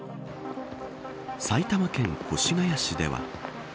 埼玉県越谷市では。